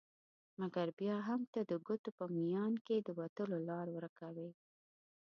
مګر بیا هم ته د ګوتو په میان کي د وتلو لار ورکوي